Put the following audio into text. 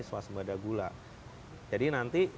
swas bada gula jadi nanti